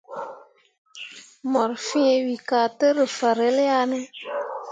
Mor fẽẽ we ka tǝ rǝ fahrel ya ne ?